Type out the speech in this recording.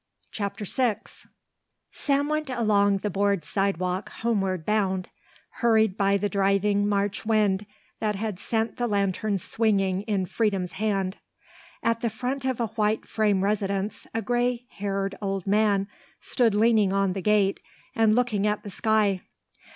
CHAPTER VI Sam went along the board sidewalk homeward bound, hurried by the driving March wind that had sent the lantern swinging in Freedom's hand. At the front of a white frame residence a grey haired old man stood leaning on the gate and looking at the sky.